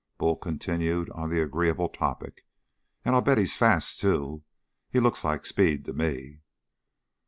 Bull continued on the agreeable topic. "And I'll bet he's fast, too. He looks like speed to me!"